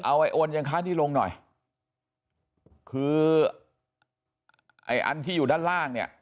ไอ้โอนยังค่าที่ลงหน่อยคือไอ้อันที่อยู่ด้านล่างเนี่ย